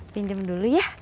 majem dulu ya